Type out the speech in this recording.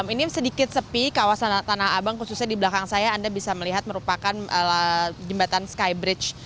ini sedikit sepi kawasan tanah abang khususnya di belakang saya anda bisa melihat merupakan jembatan skybridge